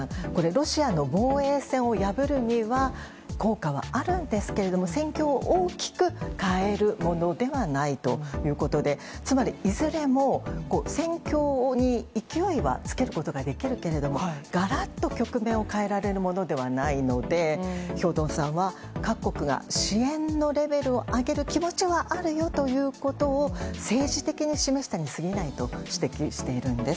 ロシアの防衛線を破るには効果はあるんですけども戦況を大きく変えるものではないということでつまりいずれも戦況に勢いはつけることはできるけどもガラッと局面を変えられるものではないので兵頭さんは、各国が支援のレベルを上げる気持ちはあるよということを政治的に示したにすぎないと指摘しているんです。